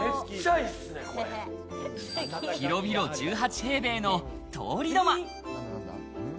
広々１８平米の通り土間。